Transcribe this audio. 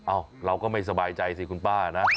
เราก็ไม่สบายใจสิคุณป้านะ